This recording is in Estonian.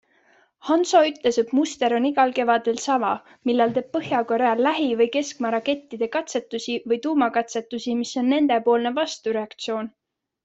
Hanso ütles, et muster on igal kevadel sama, millal teeb Põhja-Korea lähi- või keskmaa rakettide katsetusi või tuumakatsetusi, mis on nendepoolne vastureaktsioon.